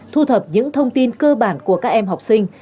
thu thập những thông tin cơ bản của các em học sinh